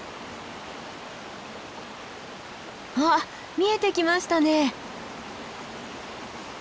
あっ見えてきましたね。